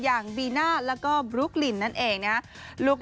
อย่างบีน่าแล้วก็บลุ๊กลินนั่นเองนะครับ